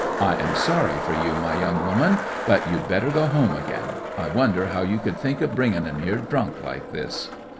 I am sorry for you, my young woman, but you'd better go home again. I wonder how you could think of bringing him here drunk like this!"